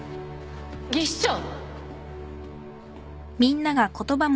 技師長！